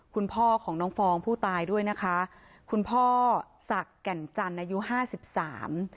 คุณพ่อของน้องฟองผู้ตายด้วยนะคะคุณพ่อศักดิ์แก่นจันทร์อายุห้าสิบสาม